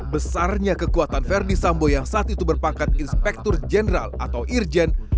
besarnya kekuatan verdi sambo yang saat itu berpangkat inspektur jenderal atau irjen